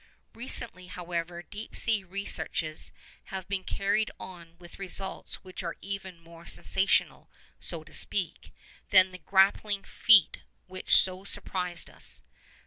Recently, however, deep sea researches have been carried on with results which are even more sensational, so to speak, than the grappling feat which so surprised us.